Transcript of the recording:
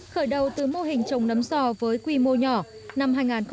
khởi đầu từ mô hình trồng nấm giò với quy mô nhỏ